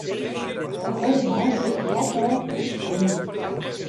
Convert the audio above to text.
Dat barde woansdei op 'e kop ôf in jier lyn.